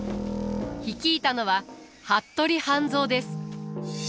率いたのは服部半蔵です。